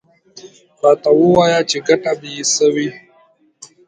_راته ووايه چې ګټه به يې څه وي؟